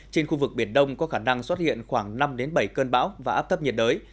trên khu vực biển đông có khả năng xuất hiện khoảng năm bảy cơn bão và áp thấp nhiệt đới